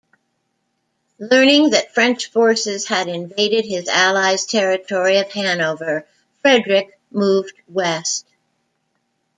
Learning that French forces had invaded his ally's territory of Hanover, Frederick moved west.